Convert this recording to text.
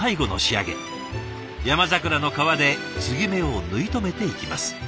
山桜の皮で継ぎ目を縫い留めていきます。